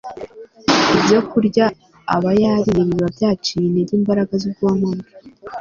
ibyokurya aba yariye biba byaciye intege imbaraga z'ubwonko bwe